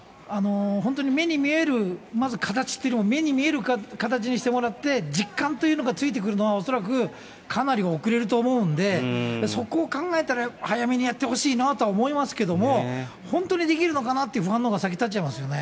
本当に目に見える、まず形っていう、目に見える形にしてもらって、実感というのがついてくるのは恐らくかなり遅れると思うので、そこを考えたら、早めにやってほしいなとは思いますけども、本当にできるのかなっていう不安のほうが先に立っちゃいますよね。